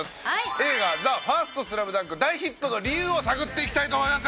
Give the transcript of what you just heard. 映画『ＴＨＥＦＩＲＳＴＳＬＡＭＤＵＮＫ』大ヒットの理由を探っていきたいと思います。